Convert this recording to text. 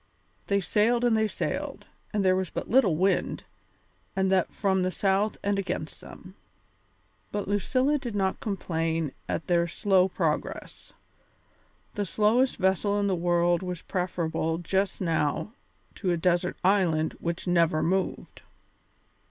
They sailed and they sailed, and there was but little wind, and that from the south and against them. But Lucilla did not complain at their slow progress. The slowest vessel in the world was preferable just now to a desert island which never moved.